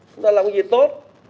chúng ta làm cái gì tốt